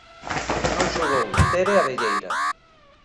Non xogou Tere Abelleira.